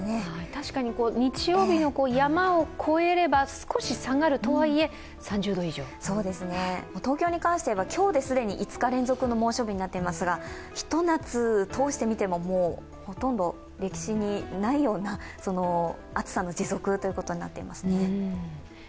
確かに日曜日の山を越えれば少し下がるとはいえ東京に関しては今日で既に５日連続の猛暑日になっていますが一夏通して見ても、ほとんど歴史にないような暑さの持続ということになっていますね。